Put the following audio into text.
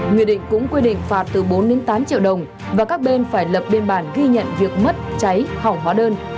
nghị định cũng quy định phạt từ bốn tám triệu đồng và các bên phải lập biên bản ghi nhận việc mất cháy hỏng hóa đơn